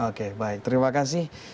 oke baik terima kasih